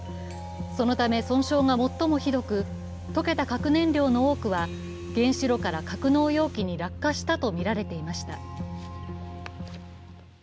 そのため損傷が最もひどく溶けた核燃料の多くは原子炉から格納容器に落下したとみられていました。